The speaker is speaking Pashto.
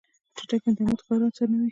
چټک انټرنیټ کار اسانوي.